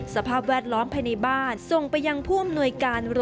สภาพแวดล้อมภายในบ้านส่งไปยังภูมิหน่วยการโรงพยาบาล